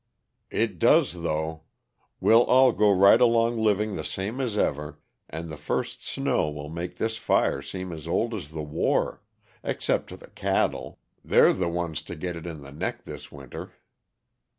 "It does, though. We'll all go right along living the same as ever, and the first snow will make this fire seem as old as the war except to the cattle; they're the ones to get it in the neck this winter."